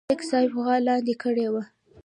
ملک صاحب غوا لاندې کړې وه